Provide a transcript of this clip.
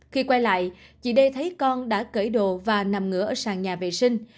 khi quay lại chị đê thấy con đã kể đồ và nằm ngửa ở sàn nhà vệ sinh